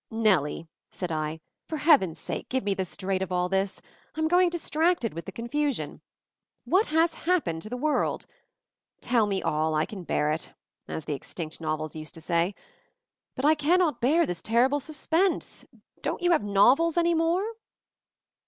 "Nellie/' said I, "for heaven's sake give me the straight of all this. I'm going dis tracted with the confusion. What has hap pened to the world? Tell me all, I can bear it — as the extinct novels used to say. But I cannot bear this terrible suspense 1 Don't you have novels any more?"